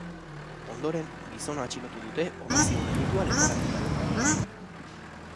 Ondoren, gizona atxilotu dute homizidio delitua leporatuta.